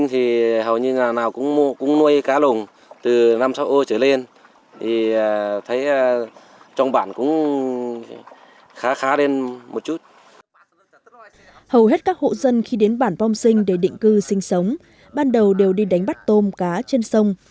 hầu hết các hộ dân khi đến bản pom sinh để định cư sinh sống ban đầu đều đi đánh bắt tôm cá trên sông